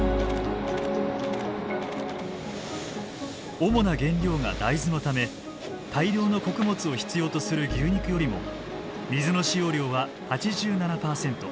主な原料が大豆のため大量の穀物を必要とする牛肉よりも水の使用量は８７％